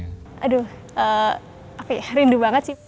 aduh rindu banget sih